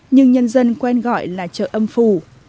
nhưng nhân dân quen gọi là chợ âm phù